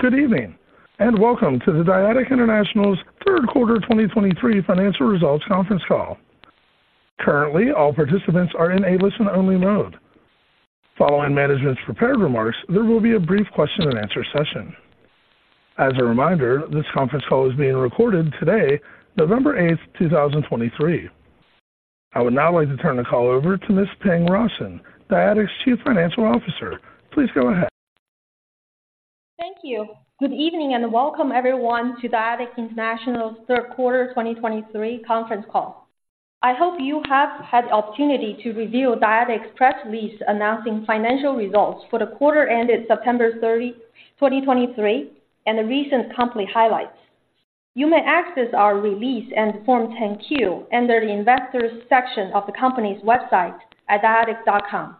Good evening, and welcome to the Dyadic International's Third Quarter 2023 Financial Results Conference Call. Currently, all participants are in a listen-only mode. Following management's prepared remarks, there will be a brief question-and-answer session. As a reminder, this conference call is being recorded today, 8 November 2023. I would now like to turn the call over to Miss Ping Rawson, Dyadic's Chief Financial Officer. Please go ahead. Thank you. Good evening, and welcome everyone to Dyadic International's Third Quarter 2023 Conference Call. I hope you have had the opportunity to review Dyadic's press release announcing financial results for the quarter ended 30 September 2023, and the recent company highlights. You may access our release and Form 10-Q under the Investors section of the company's website at dyadic.com.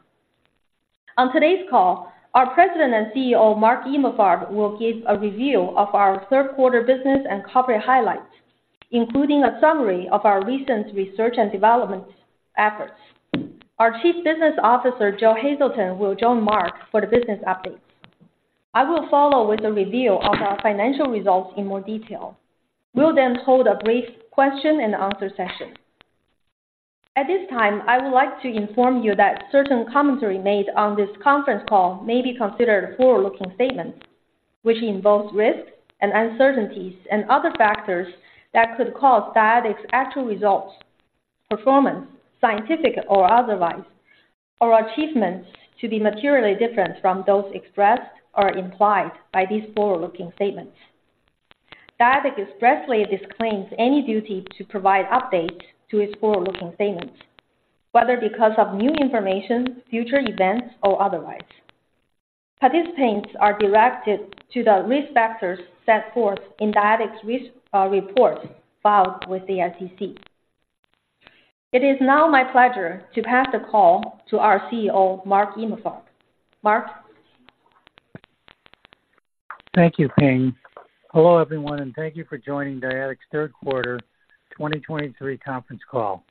On today's call, our President and CEO, Mark Emalfarb, will give a review of our third quarter business and corporate highlights, including a summary of our recent research and development efforts. Our Chief Business Officer, Joe Hazelton, will join Mark for the business updates. I will follow with a review of our financial results in more detail. We'll then hold a brief question-and-answer session. At this time, I would like to inform you that certain commentary made on this conference call may be considered forward-looking statements, which involves risks and uncertainties and other factors that could cause Dyadic's actual results, performance, scientific or otherwise, or achievements to be materially different from those expressed or implied by these forward-looking statements. Dyadic expressly disclaims any duty to provide updates to its forward-looking statements, whether because of new information, future events, or otherwise. Participants are directed to the risk factors set forth in Dyadic's risk report filed with the SEC. It is now my pleasure to pass the call to our CEO, Mark Emalfarb. Mark? Thank you, Ping. Hello, everyone, and thank you for joining Dyadic's third quarter 2023 conference call.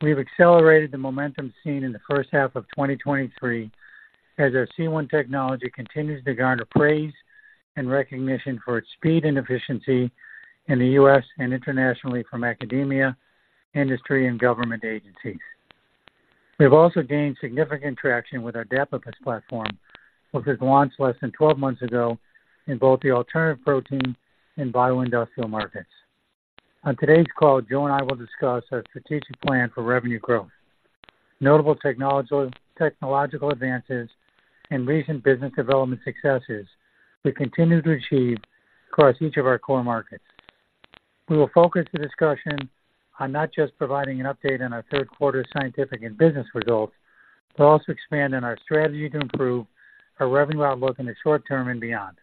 We have accelerated the momentum seen in the first half of 2023 as our C1 technology continues to garner praise and recognition for its speed and efficiency in the US and internationally from academia, industry, and government agencies. We've also gained significant traction with our Dapibus platform with its launch less than 12 months ago in both the alternative protein and bioindustrial markets. On today's call, Joe and I will discuss our strategic plan for revenue growth, notable technological advances and recent business development successes we continue to achieve across each of our core markets. We will focus the discussion on not just providing an update on our third quarter scientific and business results but also expand on our strategy to improve our revenue outlook in the short term and beyond.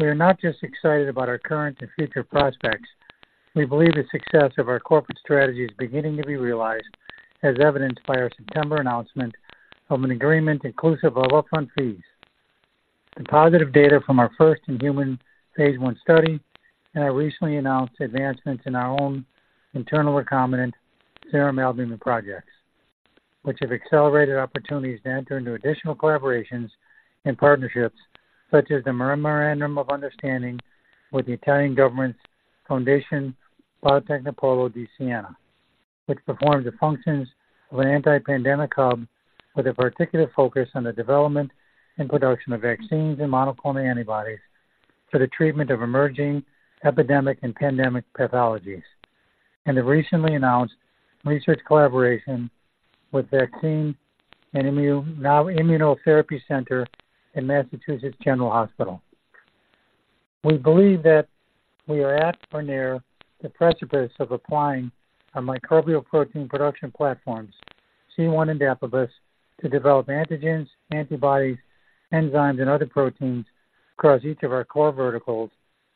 We are not just excited about our current and future prospects. We believe the success of our corporate strategy is beginning to be realized, as evidenced by our September announcement of an agreement inclusive of upfront fees, the positive data from our first in-human Phase I study. And our recently announced advancements in our own internal recombinant serum albumin projects, which have accelerated opportunities to enter into additional collaborations and partnerships, such as the Memorandum of Understanding with the Italian government's Fondazione Biotecnopolo di Siena, which performs the functions of an anti-pandemic hub with a particular focus on the development and production of vaccines and monoclonal antibodies for the treatment of emerging epidemic and pandemic pathologies. And the recently announced research collaboration with Vaccine and Immunotherapy Center in Massachusetts General Hospital. We believe that we are at or near the precipice of applying our microbial protein production platforms, C1 and Dapibus, to develop antigens, antibodies, enzymes, and other proteins across each of our core verticals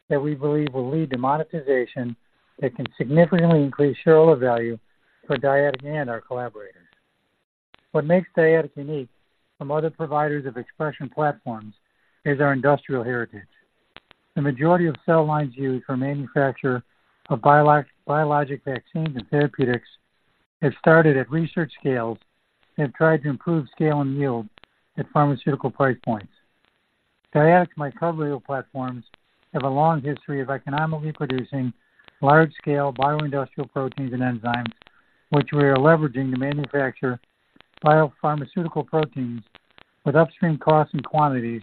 that we believe will lead to monetization that can significantly increase shareholder value for Dyadic and our collaborators. What makes Dyadic unique from other providers of expression platforms is our industrial heritage. The majority of cell lines used for manufacture of biologic vaccines and therapeutics have started at research scales and tried to improve scale and yield at pharmaceutical price points. Dyadic's microbial platforms have a long history of economically producing large-scale bioindustrial proteins and enzymes, which we are leveraging to manufacture biopharmaceutical proteins with upstream costs and quantities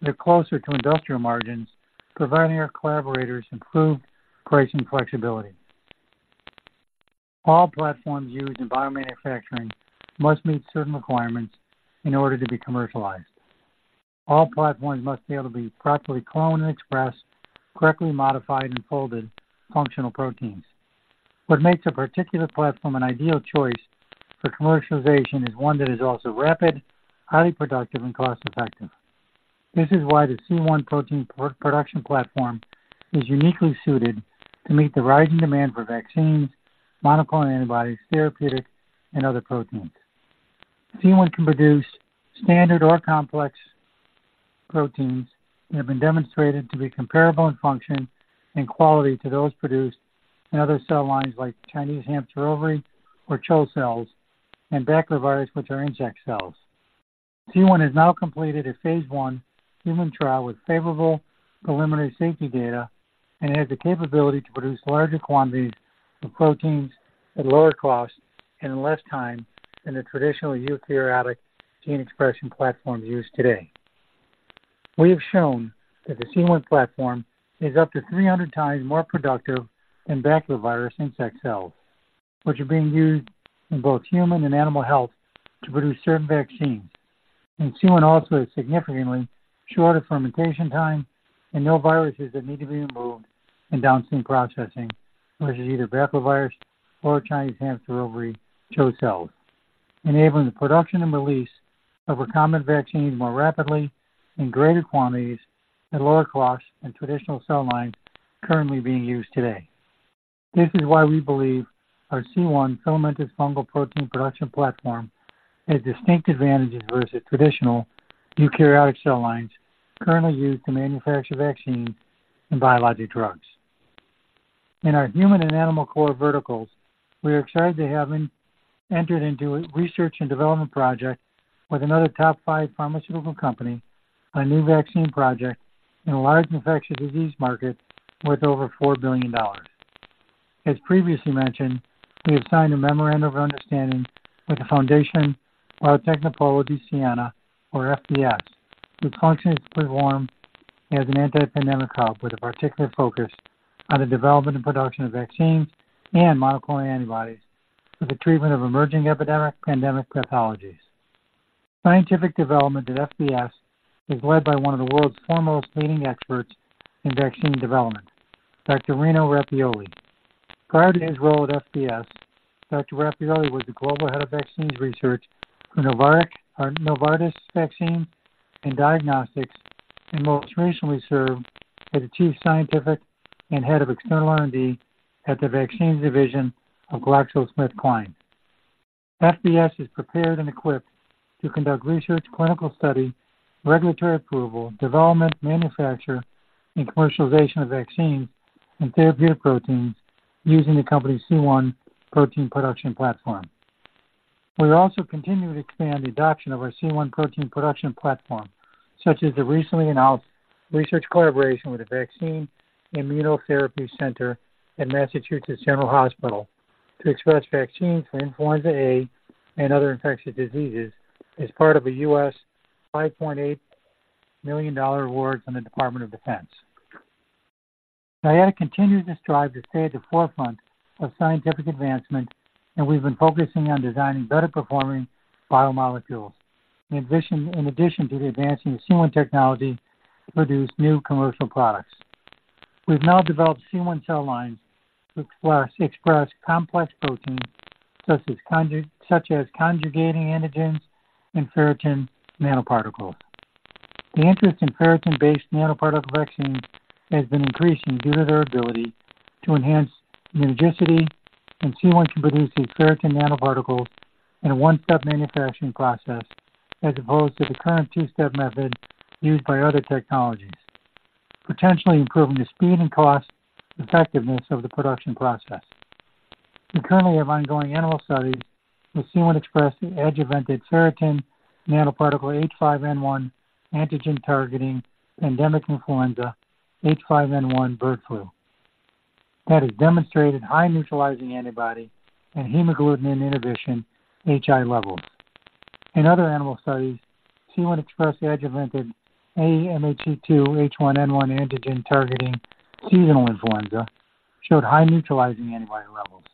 that are closer to industrial margins, providing our collaborators improved price and flexibility. All platforms used in biomanufacturing must meet certain requirements in order to be commercialized. All platforms must be able to be properly cloned and expressed, correctly modified and folded, functional proteins. What makes a particular platform an ideal choice for commercialization is one that is also rapid, highly productive, and cost-effective. This is why the C1 protein production platform is uniquely suited to meet the rising demand for vaccines, monoclonal antibodies, therapeutics, and other proteins. C1 can produce standard or complex proteins that have been demonstrated to be comparable in function and quality to those produced in other cell lines, like Chinese hamster ovary or CHO cells, and baculovirus, which are insect cells. C1 has now completed a Phase I human trial with favorable preliminary safety data and has the capability to produce larger quantities of proteins at lower cost and in less time than the traditional eukaryotic gene expression platforms used today. We have shown that the C1 platform is up to 300 times more productive than baculovirus insect cells, which are being used in both human and animal health to produce certain vaccines. C1 also has significantly shorter fermentation time and no viruses that need to be removed in downstream processing, which is either baculovirus or Chinese hamster ovary CHO cells, enabling the production and release of recombinant vaccines more rapidly in greater quantities at lower costs than traditional cell lines currently being used today. This is why we believe our C1 filamentous fungal protein production platform has distinct advantages versus traditional eukaryotic cell lines currently used to manufacture vaccines and biologic drugs. In our human and animal core verticals, we are excited to have entered into a research and development project with another top five pharmaceutical company on a new vaccine project in a large infectious disease market worth over $4 billion. As previously mentioned, we have signed a memorandum of understanding with the Fondazione Biotecnopolo di Siena, or FBS, which functions to perform as an anti-pandemic hub with a particular focus on the development and production of vaccines and monoclonal antibodies for the treatment of emerging epidemic pandemic pathologies. Scientific development at FBS is led by one of the world's foremost leading experts in vaccine development, Dr. Rino Rappuoli. Prior to his role at FBS, Dr. Rappuoli was the Global Head of Vaccines Research for Novartis Vaccines and Diagnostics, and most recently served as the Chief Scientific and Head of External R&D at the vaccines division of GlaxoSmithKline. FBS is prepared and equipped to conduct research, clinical study, regulatory approval, development, manufacture, and commercialization of vaccines and therapeutic proteins using the company's C1 protein production platform. We also continue to expand the adoption of our C1 protein production platform, such as the recently announced research collaboration with the Vaccine Immunotherapy Center at Massachusetts General Hospital to express vaccines for influenza A and other infectious diseases as part of a US $5.8 million award from the Department of Defense. Dyadic continues to strive to stay at the forefront of scientific advancement, and we've been focusing on designing better-performing biomolecules. In addition to the advancing of C1 technology to produce new commercial products. We've now developed C1 cell lines to express complex proteins such as conjugating antigens and ferritin nanoparticles. The interest in ferritin-based nanoparticle vaccines has been increasing due to their ability to enhance immunogenicity, and C1 can produce these ferritin nanoparticles in a one-step manufacturing process, as opposed to the current two-step method used by other technologies, potentially improving the speed and cost-effectiveness of the production process. We currently have ongoing animal studies with C1 Express adjuvanted ferritin nanoparticle H5N1 antigen targeting pandemic influenza H5N1 bird flu. That has demonstrated high neutralizing antibody and hemagglutinin inhibition HI levels. In other animal studies, C1 Express adjuvanted HA/M2 H1N1 antigen targeting seasonal influenza showed high neutralizing antibody levels.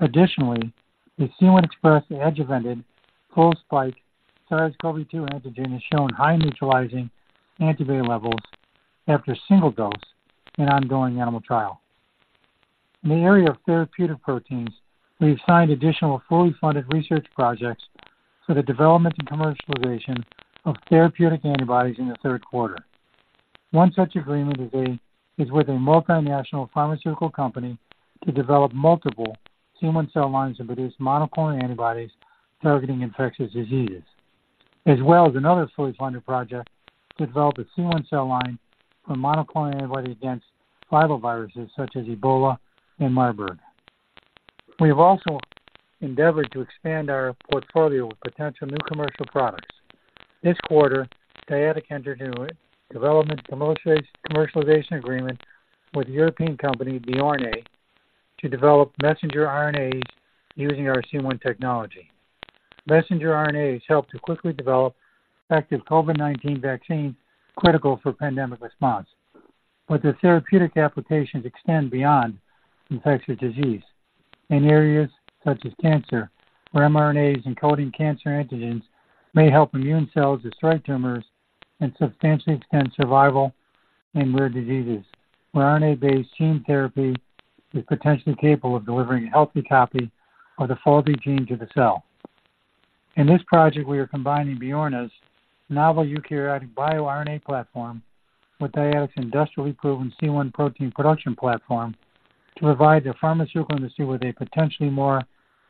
Additionally, the C1 Express adjuvanted full spike SARS-CoV-2 antigen has shown high neutralizing antibody levels after a single dose in an ongoing animal trial. In the area of therapeutic proteins, we've signed additional fully funded research projects for the development and commercialization of therapeutic antibodies in the third quarter. One such agreement is with a multinational pharmaceutical company to develop multiple C1 cell lines and produce monoclonal antibodies targeting infectious diseases, as well as another fully funded project to develop a C1 cell line for monoclonal antibody against filoviruses such as Ebola and Marburg. We have also endeavored to expand our portfolio with potential new commercial products. This quarter, Dyadic entered into a development commercialization agreement with the European company, bYoRNA, to develop messenger RNAs using our C1 technology. Messenger RNAs help to quickly develop effective COVID-19 vaccines, critical for pandemic response. But the therapeutic applications extend beyond infectious disease in areas such as cancer, where mRNAs encoding cancer antigens may help immune cells destroy tumors and substantially extend survival in rare diseases, where RNA-based gene therapy is potentially capable of delivering a healthy copy of the faulty gene to the cell. In this project, we are combining bYoRNA's novel eukaryotic bioRNA platform with Dyadic's industrially proven C1 protein production platform to provide the pharmaceutical industry with a potentially more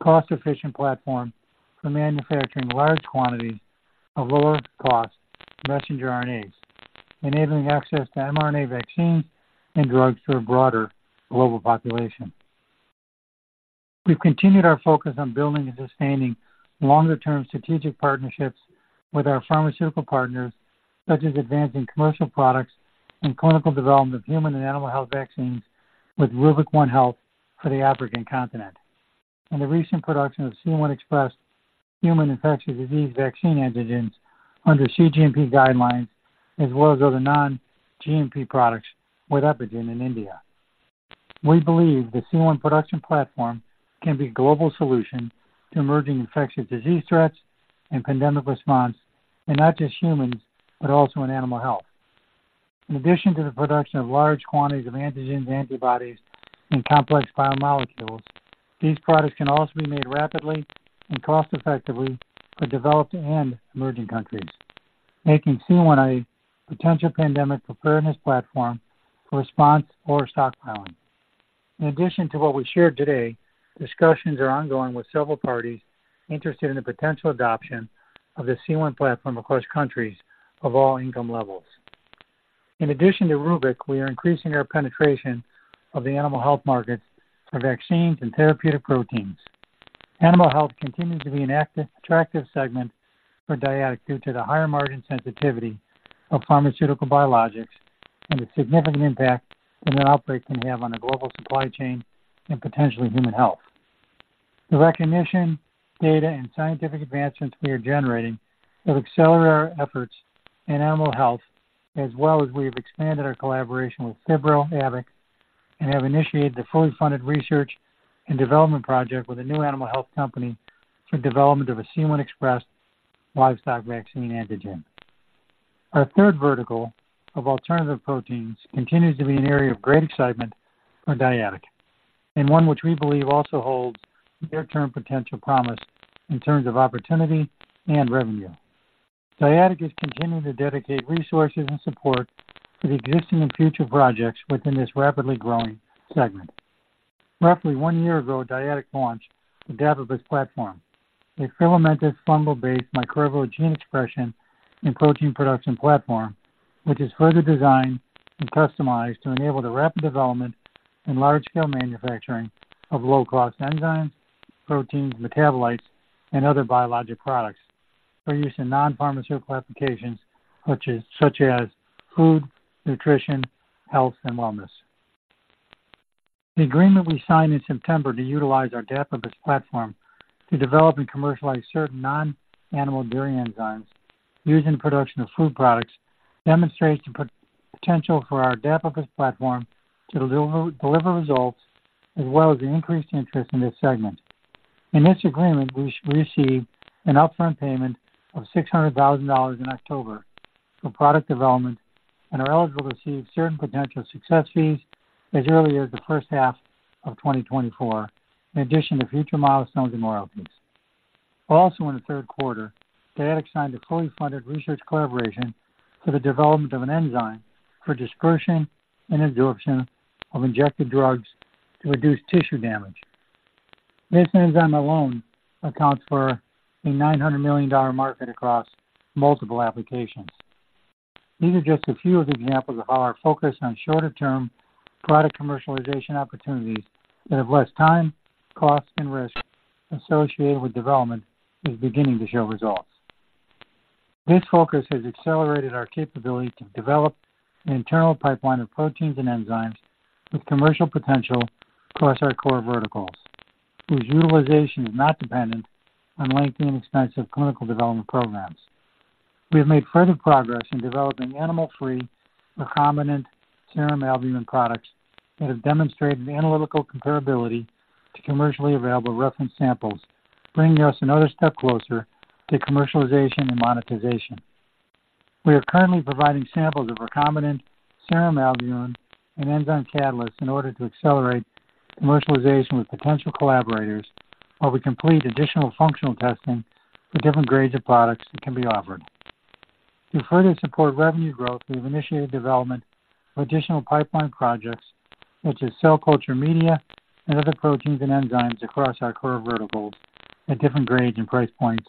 cost-efficient platform for manufacturing large quantities of lower cost messenger RNAs, enabling access to mRNA vaccines and drugs to a broader global population. We've continued our focus on building and sustaining longer-term strategic partnerships with our pharmaceutical partners, such as advancing commercial products and clinical development of human and animal health vaccines with Rubic One Health for the African continent, and the recent production of C1 Express human infectious disease vaccine antigens under cGMP guidelines, as well as other non-GMP products with Epygen in India. We believe the C1 production platform can be a global solution to emerging infectious disease threats and pandemic response, in not just humans, but also in animal health. In addition to the production of large quantities of antigens, antibodies, and complex biomolecules, these products can also be made rapidly and cost-effectively for developed and emerging countries, making C1 a potential pandemic preparedness platform for response or stockpiling. In addition to what we've shared today, discussions are ongoing with several parties interested in the potential adoption of the C1 platform across countries of all income levels. In addition to Rubic, we are increasing our penetration of the animal health market for vaccines and therapeutic proteins. Animal health continues to be an active, attractive segment for Dyadic due to the higher margin sensitivity of pharmaceutical biologics and the significant impact an outbreak can have on the global supply chain and potentially human health. The recognition, data, and scientific advancements we are generating will accelerate our efforts in animal health as well as we have expanded our collaboration with Phibroav Abic, and have initiated the fully funded research and development project with a new animal health company for development of a C1 Express livestock vaccine antigen. Our third vertical of alternative proteins continues to be an area of great excitement for Dyadic, and one which we believe also holds near-term potential promise in terms of opportunity and revenue. Dyadic is continuing to dedicate resources and support to the existing and future projects within this rapidly growing segment. Roughly one year ago, Dyadic launched the Dapibus platform, a filamentous fungal-based microbial gene expression and protein production platform, which is further designed and customized to enable the rapid development and large-scale manufacturing of low-cost enzymes, proteins, metabolites, and other biologic products for use in non-pharmaceutical applications such as food, nutrition, health, and wellness. The agreement we signed in September to utilize our Dapibus platform to develop and commercialize certain non-animal dairy enzymes used in the production of food products, demonstrates the potential for our Dapibus platform to deliver results, as well as the increased interest in this segment. In this agreement, we received an upfront payment of $600,000 in October for product development and are eligible to receive certain potential success fees as early as the first half of 2024, in addition to future milestones and royalties. Also, in the third quarter, Dyadic signed a fully funded research collaboration for the development of an enzyme for dispersion and absorption of injected drugs to reduce tissue damage. This enzyme alone accounts for a $900 million market across multiple applications. These are just a few of the examples of how our focus on shorter-term product commercialization opportunities that have less time, cost, and risk associated with development is beginning to show results. This focus has accelerated our capability to develop an internal pipeline of proteins and enzymes with commercial potential across our core verticals, whose utilization is not dependent on lengthy and expensive clinical development programs. We have made further progress in developing animal-free recombinant serum albumin products that have demonstrated analytical comparability to commercially available reference samples, bringing us another step closer to commercialization and monetization. We are currently providing samples of recombinant serum albumin and enzyme catalysts in order to accelerate commercialization with potential collaborators, while we complete additional functional testing for different grades of products that can be offered. To further support revenue growth, we have initiated development of additional pipeline projects such as cell culture, media, and other proteins and enzymes across our core verticals at different grades and price points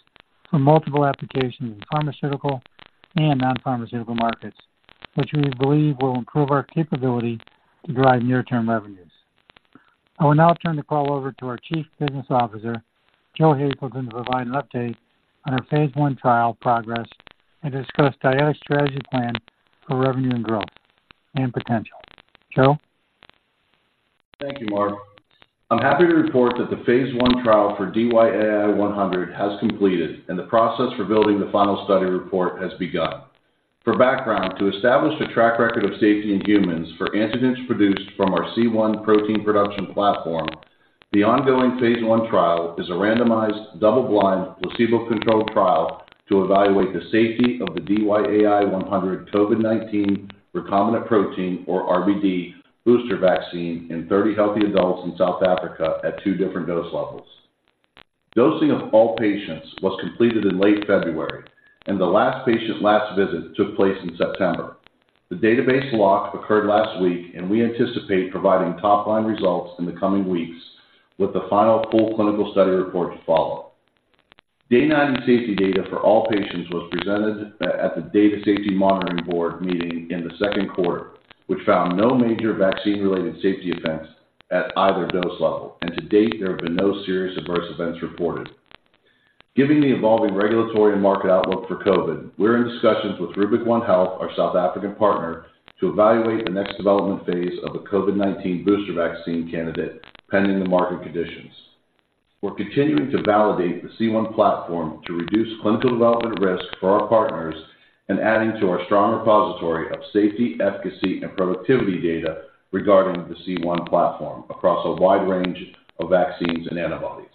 for multiple applications in pharmaceutical and non-pharmaceutical markets, which we believe will improve our capability to drive near-term revenues. I will now turn the call over to our Chief Business Officer, Joe Hazelton, to provide an update on our Phase I trial progress and discuss Dyadic's strategy plan for revenue and growth and potential. Joe? Thank you, Mark. I'm happy to report that the Phase I trial for DYAI-100 has completed, and the process for building the final study report has begun. For background, to establish a track record of safety in humans for antigens produced from our C1 protein production platform, the ongoing Phase I trial is a randomized, double-blind, placebo-controlled trial to evaluate the safety of the DYAI-100 COVID-19 recombinant protein, or RBD booster vaccine, in 30 healthy adults in South Africa at two different dose levels. Dosing of all patients was completed in late February, and the last patient's last visit took place in September. The database lock occurred last week, and we anticipate providing top-line results in the coming weeks, with the final full clinical study report to follow. Day 90 safety data for all patients was presented at the Data Safety Monitoring Board meeting in the second quarter, which found no major vaccine-related safety events at either dose level, and to date, there have been no serious adverse events reported. Given the evolving regulatory and market outlook for COVID, we're in discussions with Rubic One Health, our South African partner, to evaluate the next development phase of the COVID-19 booster vaccine candidate, pending the market conditions. We're continuing to validate the C1 platform to reduce clinical development risk for our partners and adding to our strong repository of safety, efficacy, and productivity data regarding the C1 platform across a wide range of vaccines and antibodies.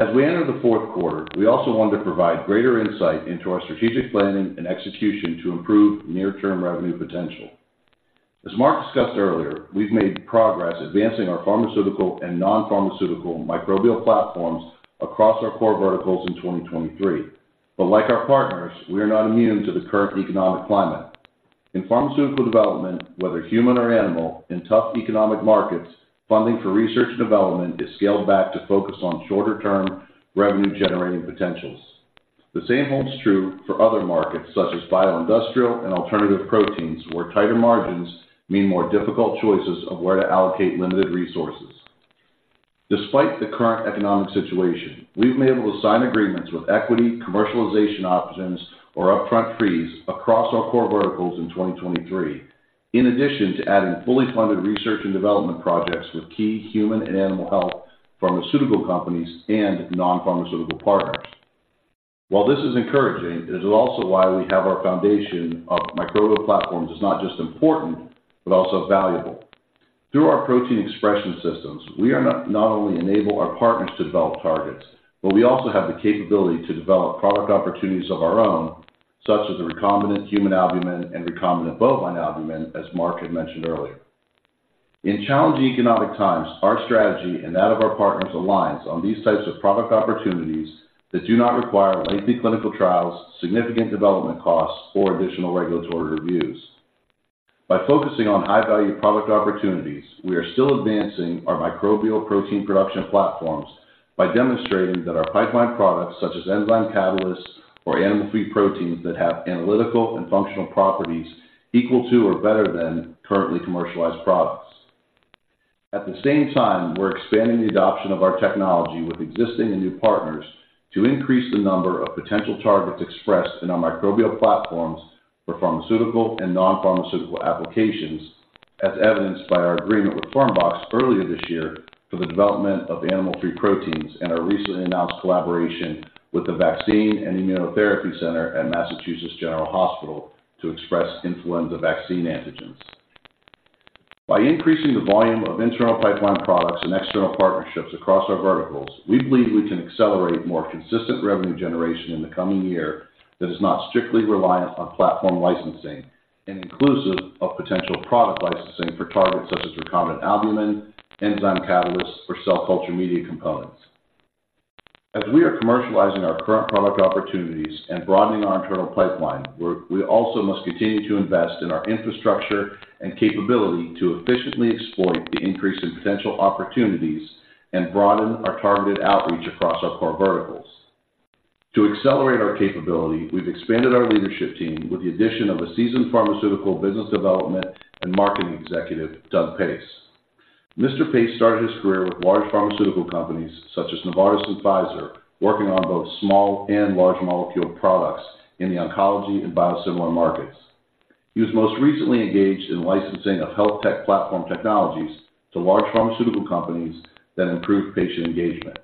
As we enter the fourth quarter, we also wanted to provide greater insight into our strategic planning and execution to improve near-term revenue potential. As Mark discussed earlier, we've made progress advancing our pharmaceutical and non-pharmaceutical microbial platforms across our core verticals in 2023. But like our partners, we are not immune to the current economic climate. In pharmaceutical development, whether human or animal, in tough economic markets, funding for research and development is scaled back to focus on shorter-term revenue-generating potentials. The same holds true for other markets such as bioindustrial and alternative proteins, where tighter margins mean more difficult choices of where to allocate limited resources. Despite the current economic situation, we've been able to sign agreements with equity, commercialization options, or upfront fees across our core verticals in 2023, in addition to adding fully funded research and development projects with key human and animal health pharmaceutical companies and non-pharmaceutical partners. While this is encouraging, it is also why we have our foundation of microbial platforms as not just important, but also valuable. Through our protein expression systems, we not only enable our partners to develop targets, but we also have the capability to develop product opportunities of our own, such as the recombinant human albumin and recombinant bovine albumin, as Mark had mentioned earlier. In challenging economic times, our strategy and that of our partners align on these types of product opportunities that do not require lengthy clinical trials, significant development costs, or additional regulatory reviews. By focusing on high-value product opportunities, we are still advancing our microbial protein production platforms by demonstrating that our pipeline products, such as enzyme catalysts or animal-free proteins that have analytical and functional properties equal to or better than currently commercialized products. At the same time, we're expanding the adoption of our technology with existing and new partners to increase the number of potential targets expressed in our microbial platforms for pharmaceutical and non-pharmaceutical applications, as evidenced by our agreement with Fermbox earlier this year for the development of animal-free proteins, and our recently announced collaboration with the Vaccine and Immunotherapy Center at Massachusetts General Hospital to express influenza vaccine antigens. By increasing the volume of internal pipeline products and external partnerships across our verticals, we believe we can accelerate more consistent revenue generation in the coming year that is not strictly reliant on platform licensing, and inclusive of potential product licensing for targets such as recombinant albumin, enzyme catalysts, or cell culture media components. As we are commercializing our current product opportunities and broadening our internal pipeline, we also must continue to invest in our infrastructure and capability to efficiently exploit the increase in potential opportunities and broaden our targeted outreach across our core verticals. To accelerate our capability, we've expanded our leadership team with the addition of a seasoned pharmaceutical business development and marketing executive, Doug Pace. Mr. Pace started his career with large pharmaceutical companies such as Novartis and Pfizer, working on both small and large molecule products in the oncology and biosimilar markets. He was most recently engaged in licensing of health tech platform technologies to large pharmaceutical companies that improve patient engagement.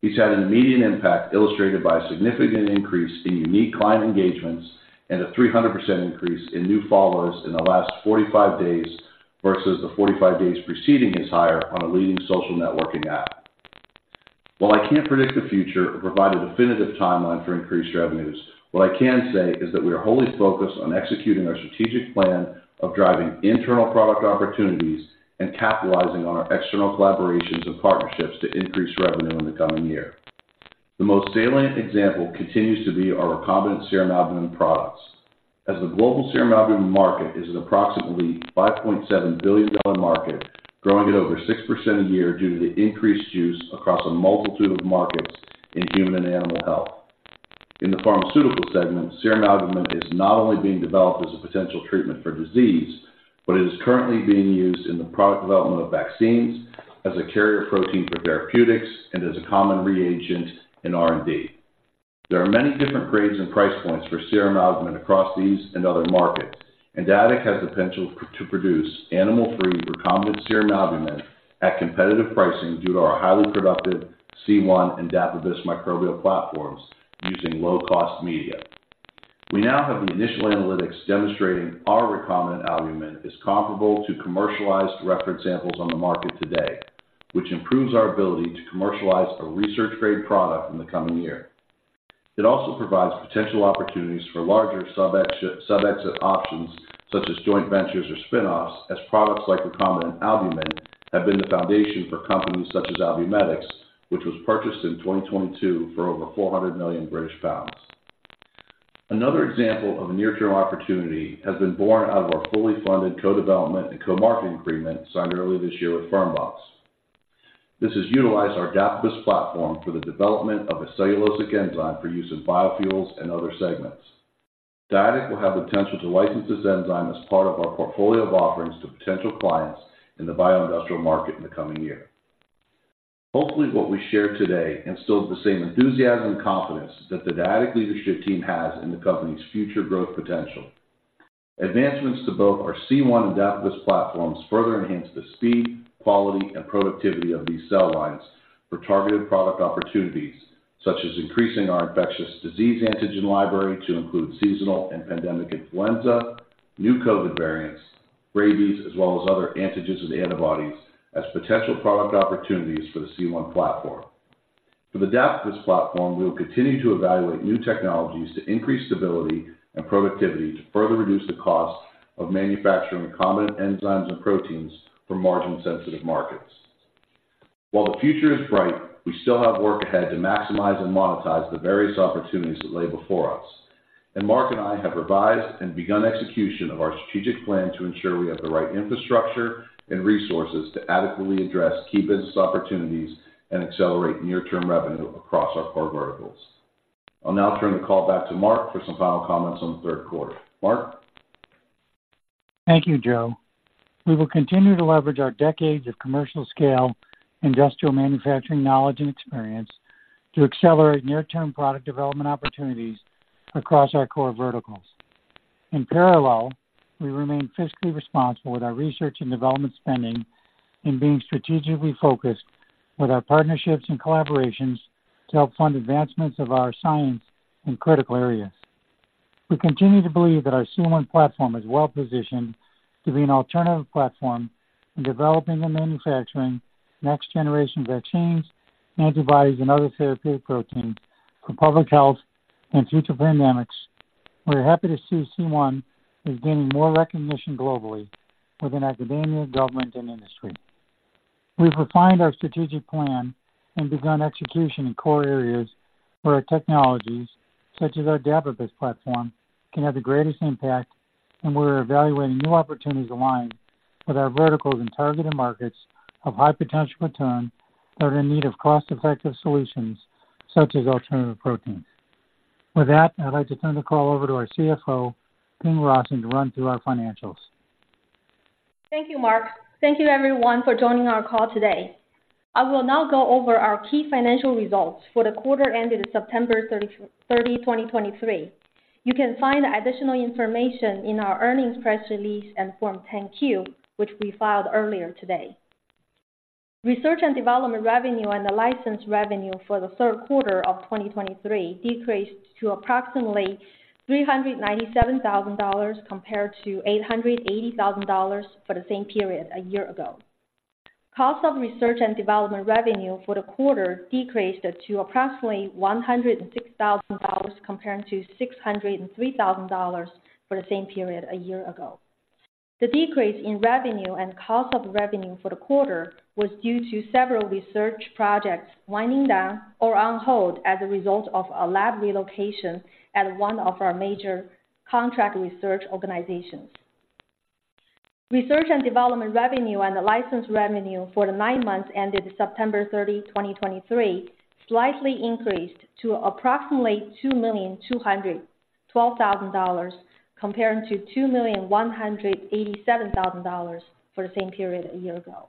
He's had an immediate impact, illustrated by a significant increase in unique client engagements and a 300% increase in new followers in the last 45 days versus the 45 days preceding his hire on a leading social networking app. While I can't predict the future or provide a definitive timeline for increased revenues, what I can say is that we are wholly focused on executing our strategic plan of driving internal product opportunities and capitalizing on our external collaborations and partnerships to increase revenue in the coming year. The most salient example continues to be our recombinant serum albumin products. As the global serum albumin market is an approximately $5.7 billion market, growing at over 6% a year due to the increased use across a multitude of markets in human and animal health. In the pharmaceutical segment, serum albumin is not only being developed as a potential treatment for disease, but it is currently being used in the product development of vaccines, as a carrier protein for therapeutics, and as a common reagent in R&D. There are many different grades and price points for serum albumin across these and other markets, and Dyadic has the potential to produce animal-free recombinant serum albumin at competitive pricing due to our highly productive C1 and Dapibus microbial platforms using low-cost media. We now have the initial analytics demonstrating our recombinant albumin is comparable to commercialized reference samples on the market today, which improves our ability to commercialize a research-grade product in the coming year. It also provides potential opportunities for larger subexit options, such as joint ventures or spin-offs, as products like recombinant albumin have been the foundation for companies such as Albumedix, which was purchased in 2022 for over 400 million British pounds. Another example of a near-term opportunity has been born out of our fully funded co-development and co-marketing agreement signed earlier this year with Fermbox. This has utilized our Dapibus platform for the development of a cellulosic enzyme for use in biofuels and other segments. Dyadic will have the potential to license this enzyme as part of our portfolio of offerings to potential clients in the bioindustrial market in the coming year. Hopefully, what we shared today instills the same enthusiasm and confidence that the Dyadic leadership team has in the company's future growth potential. Advancements to both our C1 and Dapibus platforms further enhance the speed, quality, and productivity of these cell lines for targeted product opportunities, such as increasing our infectious disease antigen library to include seasonal and pandemic influenza, new COVID variants, rabies, as well as other antigens and antibodies as potential product opportunities for the C1 platform. For the Dapibus platform, we will continue to evaluate new technologies to increase stability and productivity to further reduce the cost of manufacturing recombinant enzymes and proteins for margin-sensitive markets. While the future is bright, we still have work ahead to maximize and monetize the various opportunities that lay before us, and Mark and I have revised and begun execution of our strategic plan to ensure we have the right infrastructure and resources to adequately address key business opportunities and accelerate near-term revenue across our core verticals. I'll now turn the call back to Mark for some final comments on the third quarter. Mark? Thank you, Joe. We will continue to leverage our decades of commercial-scale industrial manufacturing knowledge and experience to accelerate near-term product development opportunities across our core verticals. In parallel, we remain fiscally responsible with our research and development spending and being strategically focused with our partnerships and collaborations to help fund advancements of our science in critical areas. We continue to believe that our C1 platform is well positioned to be an alternative platform in developing and manufacturing next-generation vaccines, antibodies, and other therapeutic proteins for public health and future pandemics. We're happy to see C1 is gaining more recognition globally within academia, government, and industry. We've refined our strategic plan and begun execution in core areas where our technologies, such as our Dapibus platform, can have the greatest impact, and we're evaluating new opportunities aligned with our verticals and targeted markets of high potential return that are in need of cost-effective solutions such as alternative proteins. With that, I'd like to turn the call over to our CFO, Ping Rawson, to run through our financials. Thank you, Mark. Thank you, everyone, for joining our call today. I will now go over our key financial results for the quarter ended 30 September 2023. You can find additional information in our earnings press release and Form 10-Q, which we filed earlier today. Research and development revenue and the license revenue for the third quarter of 2023 decreased to approximately $397,000 compared to $880,000 for the same period a year ago. Cost of research and development revenue for the quarter decreased to approximately $106,000, comparing to $603,000 for the same period a year ago. The decrease in revenue and cost of revenue for the quarter was due to several research projects winding down or on hold as a result of a lab relocation at one of our major contract research organizations. Research and development revenue and the license revenue for the nine months ended 30 September 2023, slightly increased to approximately $2,212,000, comparing to $2,187,000 for the same period a year ago.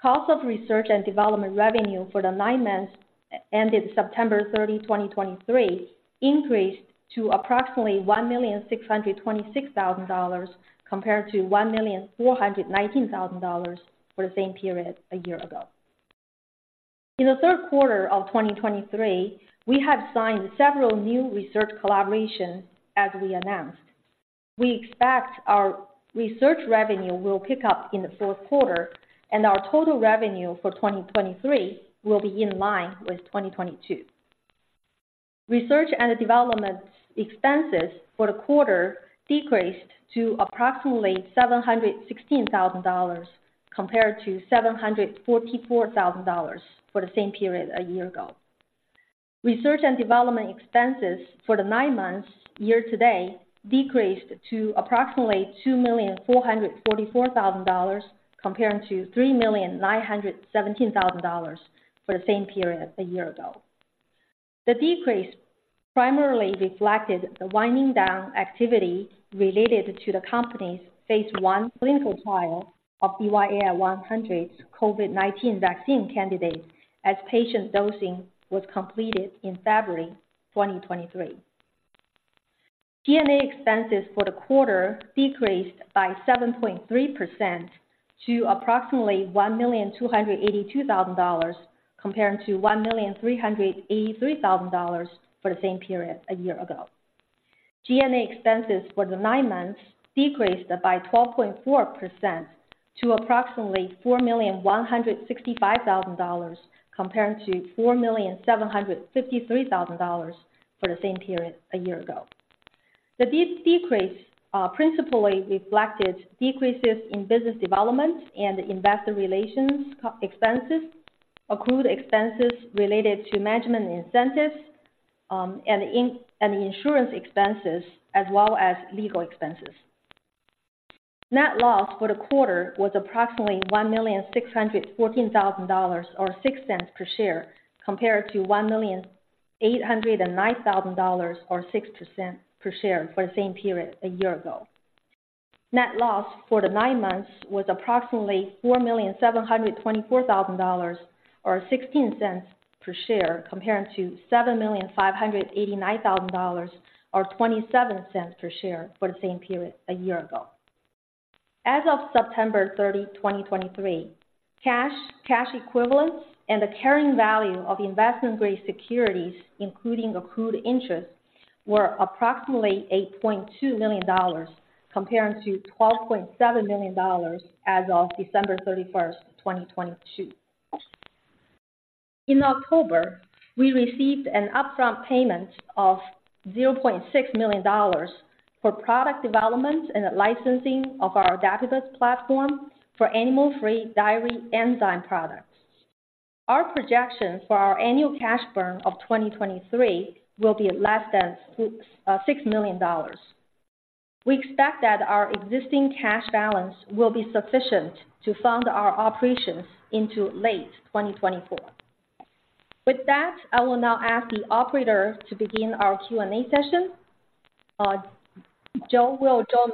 Cost of research and development revenue for the nine months ended 30 September 2023, increased to approximately $1,626,000 compared to $1,419,000 for the same period a year ago. In the third quarter of 2023, we have signed several new research collaborations, as we announced. We expect our research revenue will pick up in the fourth quarter, and our total revenue for 2023 will be in line with 2022. Research and development expenses for the quarter decreased to approximately $716,000 compared to $744,000 for the same period a year ago. Research and development expenses for the nine months year-to-date decreased to approximately $2,444,000 compared to $3,917,000 for the same period a year ago. The decrease primarily reflected the winding down activity related to the company's Phase I clinical trial of DYAI-100's COVID-19 vaccine candidate, as patient dosing was completed in February 2023. G&A expenses for the quarter decreased by 7.3% to approximately $1,282,000, comparing to $1,383,000 for the same period a year ago. G&A expenses for the nine months decreased by 12.4% to approximately $4,165,000, comparing to $4,753,000 for the same period a year ago. The decrease principally reflected decreases in business development and investor relations costs expenses, accrued expenses related to management incentives, and insurance expenses, as well as legal expenses. Net loss for the quarter was approximately $1,614,000, or $0.06 per share, compared to $1,809,000, or $0.06 per share, for the same period a year ago. Net loss for the nine months was approximately $4,724,000, or $0.16 per share, compared to $7,589,000, or $0.27 per share, for the same period a year ago. As of 30 September 2023, cash, cash equivalents, and the carrying value of investment-grade securities, including accrued interest, were approximately $8.2 million, comparing to $12.7 million as of 31 December 2022. In October, we received an upfront payment of $0.6 million for product development and the licensing of our Dapibus platform for animal-free dairy enzyme products. Our projection for our annual cash burn of 2023 will be less than $6 million. We expect that our existing cash balance will be sufficient to fund our operations into late 2024. With that, I will now ask the operator to begin our Q&A session. Joe,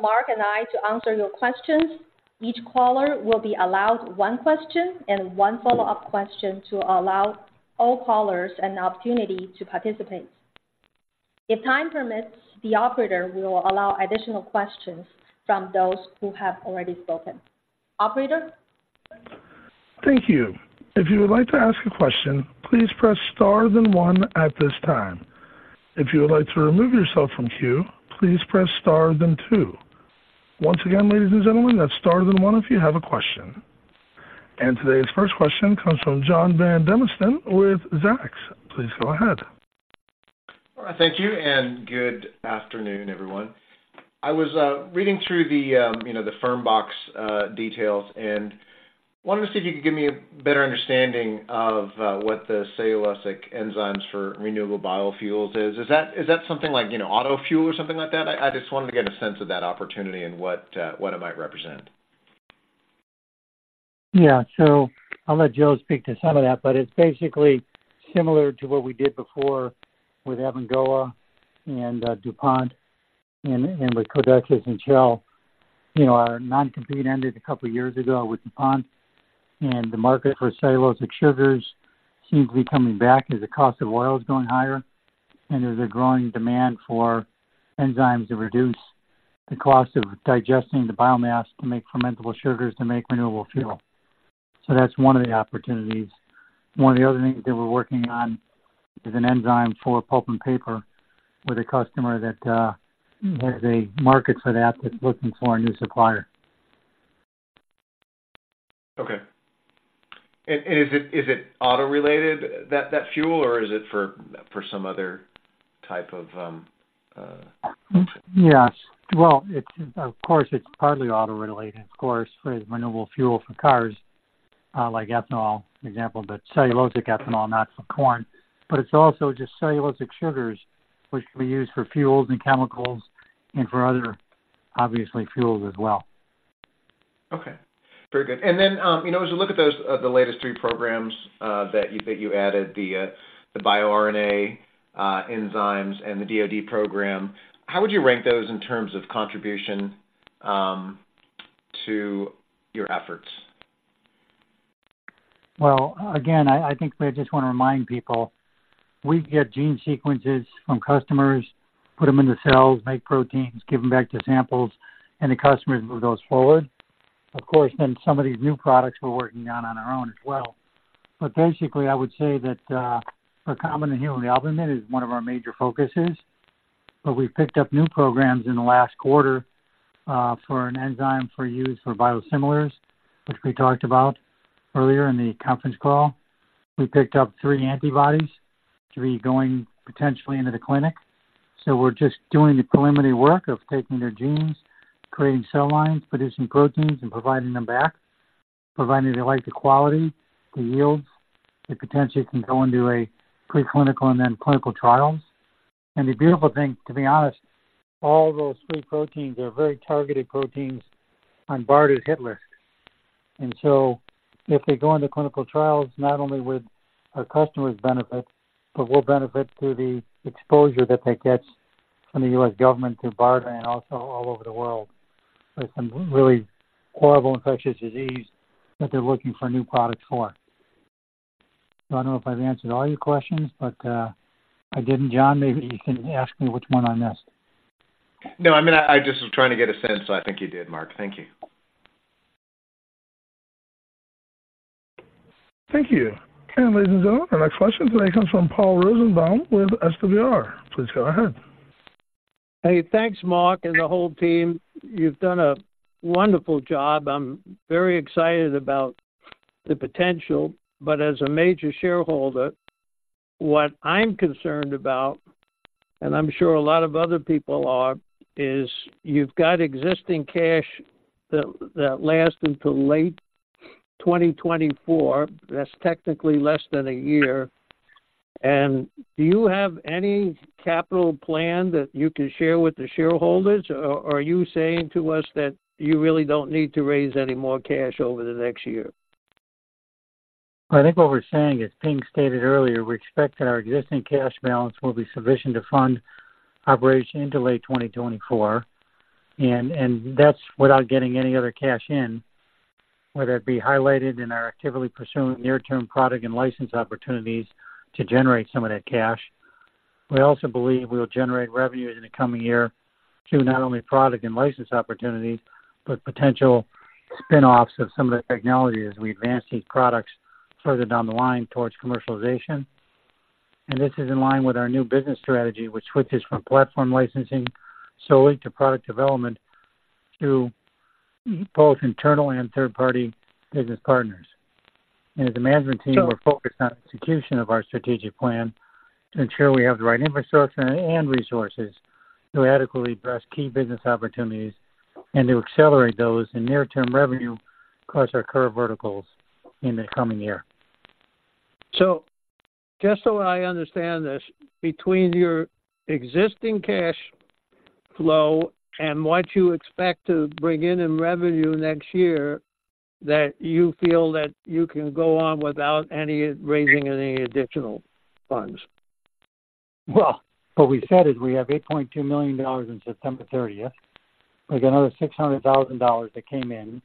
Mark, and I will answer your questions. Each caller will be allowed one question and one follow-up question to allow all callers an opportunity to participate. If time permits, the operator will allow additional questions from those who have already spoken. Operator? Thank you. If you would like to ask a question, please press star then one at this time. If you would like to remove yourself from queue, please press star then two. Once again, ladies and gentlemen, that's star then one if you have a question. Today's first question comes from John Vandermosten with Zacks. Please go ahead. Thank you, and good afternoon, everyone. I was reading through the, you know, the Fermbox details, and wanted to see if you could give me a better understanding of what the cellulosic enzymes for renewable biofuels is. Is that something like, you know, auto fuel or something like that? I just wanted to get a sense of that opportunity and what, what it might represent. Yeah. So I'll let Joe speak to some of that, but it's basically similar to what we did before with Abengoa and, DuPont and, and with Codexis and Shell. You know, our non-compete ended a couple of years ago with DuPont, and the market for cellulosic sugars seems to be coming back as the cost of oil is going higher. And there's a growing demand for enzymes to reduce the cost of digesting the biomass to make fermentable sugars to make renewable fuel. So that's one of the opportunities. One of the other things that we're working on is an enzyme for pulp and paper with a customer that, has a market for that, that's looking for a new supplier. Okay. And is it auto related, that fuel, or is it for some other type of... Yes. Well, it's, of course, it's partly auto-related, of course, for renewable fuel for cars, like ethanol, for example, but cellulosic ethanol, not for corn. But it's also just cellulosic sugars, which can be used for fuels and chemicals and for other, obviously, fuels as well. Okay, very good. And then, you know, as you look at those, the latest three programs that you added, the bYoRNA, enzymes and the DoD program, how would you rank those in terms of contribution to your efforts? Well, again, I think I just want to remind people, we get gene sequences from customers, put them in the cells, make proteins, give them back the samples, and the customers move those forward. Of course, then some of these new products we're working on on our own as well. But basically, I would say that recombinant human albumin is one of our major focuses, but we've picked up new programs in the last quarter for an enzyme for use for biosimilars, which we talked about earlier in the conference call. We picked up three antibodies, three going potentially into the clinic. So we're just doing the preliminary work of taking their genes, creating cell lines, producing proteins, and providing them back. Provided they like the quality, the yields, it potentially can go into a preclinical and then clinical trials. And the beautiful thing, to be honest, all those three proteins are very targeted proteins on BARDA hit list. And so if they go into clinical trials, not only would our customers benefit, but we'll benefit through the exposure that they get from the US government to BARDA and also all over the world for some really horrible infectious disease that they're looking for new products for. So I don't know if I've answered all your questions, but if I didn't, John, maybe you can ask me which one I missed. No, I mean, I just was trying to get a sense. I think you did, Mark. Thank you. Thank you. Ladies and gentlemen, our next question today comes from Paul Rosenbaum with SWR. Please go ahead. Hey, thanks, Mark and the whole team. You've done a wonderful job. I'm very excited about the potential. But as a major shareholder. What I'm concerned about, and I'm sure a lot of other people are, is you've got existing cash that lasts until late 2024. That's technically less than a year. Do you have any capital plan that you can share with the shareholders? Or are you saying to us that you really don't need to raise any more cash over the next year? I think what we're saying is, Ping stated earlier, we expect that our existing cash balance will be sufficient to fund operations into late 2024, and that's without getting any other cash in. We're actively pursuing near-term product and license opportunities to generate some of that cash. We also believe we'll generate revenues in the coming year through not only product and license opportunities, but potential spin-offs of some of the technology as we advance these products further down the line towards commercialization. This is in line with our new business strategy, which switches from platform licensing solely to product development to both internal and third-party business partners. As a management team, we're focused on execution of our strategic plan to ensure we have the right infrastructure and resources to adequately address key business opportunities and to accelerate those in near-term revenue across our current verticals in the coming year. Just so I understand this, between your existing cash flow and what you expect to bring in revenue next year, that you feel that you can go on without raising any additional funds? Well, what we said is we have $8.2 million on 13 September 2023, with another $600,000 that came in.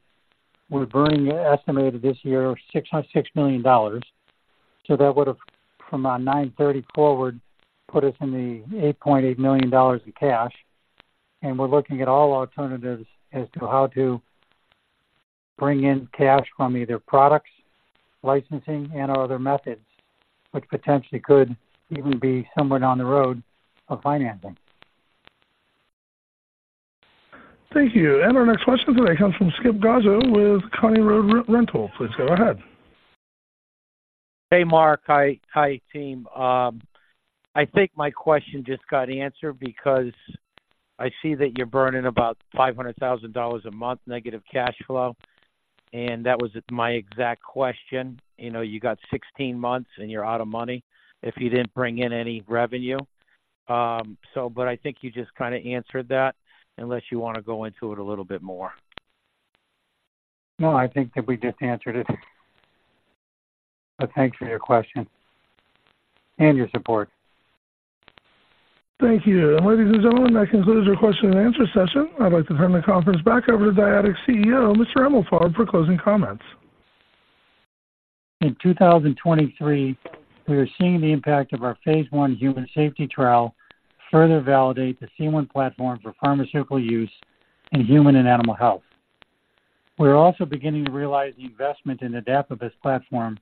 We're burning an estimated this year, $606 million. So that would have, from on 30 September 2023 forward, put us in the $8.8 million in cash. And we're looking at all alternatives as to how to bring in cash from either products, licensing, and/or other methods, which potentially could even be somewhere down the road of financing. Thank you. Our next question today comes from Skip Gaza with County Road Rental. Please go ahead. Hey, Mark. Hi, hi, team. I think my question just got answered because I see that you're burning about $500,000 a month negative cash flow. And that was my exact question. You know, you got 16 months, and you're out of money if you didn't bring in any revenue. So but I think you just kinda answered that, unless you wanna go into it a little bit more. No, I think that we just answered it. But thanks for your question and your support. Thank you. Ladies and gentlemen, that concludes our question-and-answer session. I'd like to turn the conference back over to Dyadic CEO, Mr. Emalfarb, for closing comments. In 2023, we are seeing the impact of our Phase I human safety trial further validate the C1 platform for pharmaceutical use in human and animal health. We're also beginning to realize the investment in the Dapibus platform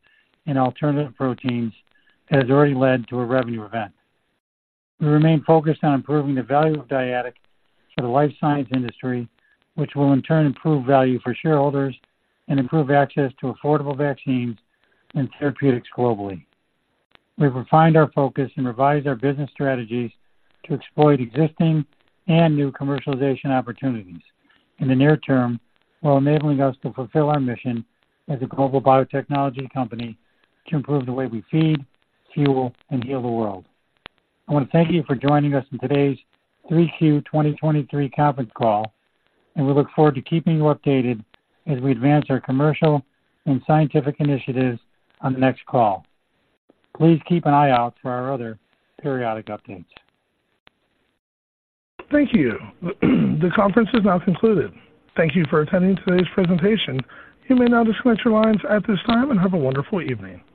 in alternative proteins that has already led to a revenue event. We remain focused on improving the value of Dyadic for the life science industry, which will in turn improve value for shareholders and improve access to affordable vaccines and therapeutics globally. We've refined our focus and revised our business strategies to exploit existing and new commercialization opportunities in the near term; while enabling us to fulfill our mission as a global biotechnology company to improve the way we feed, fuel, and heal the world. I want to thank you for joining us on today's third quarter 2023 conference call, and we look forward to keeping you updated as we advance our commercial and scientific initiatives on the next call. Please keep an eye out for our other periodic updates. Thank you. The conference is now concluded. Thank you for attending today's presentation. You may now disconnect your lines at this time and have a wonderful evening.